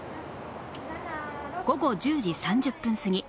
午後１０時３０分過ぎ